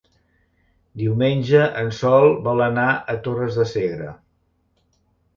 Diumenge en Sol vol anar a Torres de Segre.